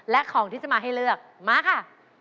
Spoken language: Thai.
และของที่จะมาให้เลือกมาค่ะ